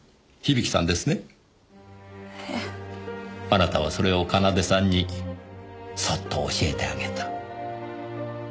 あなたはそれを奏さんにそっと教えてあげた。